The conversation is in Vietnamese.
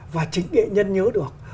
và chính nghệ nhân nhớ được